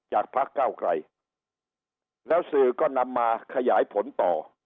พักเก้าไกลแล้วสื่อก็นำมาขยายผลต่อ